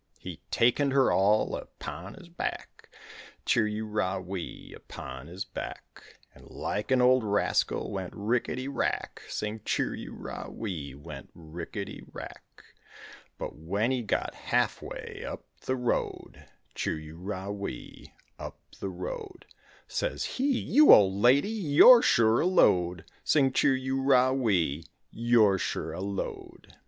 He takened her all upon his back, Chir u ra wee, upon his back, And like an old rascal went rickity rack, Sing chir u ra wee, went rickity rack. But when he got half way up the road, Chir u ra wee, up the road, Says he, "You old lady, you're sure a load," Sing chir u ra wee, you're sure a load.